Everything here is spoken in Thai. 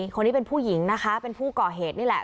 คนนี้เป็นผู้หญิงนะคะเป็นผู้ก่อเหตุนี่แหละ